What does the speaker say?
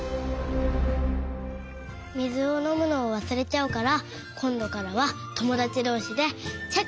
みずをのむのをわすれちゃうからこんどからはともだちどうしでチェックするね！